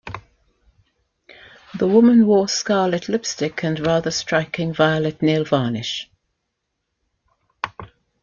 The woman wore scarlet lipstick and rather striking violet nail varnish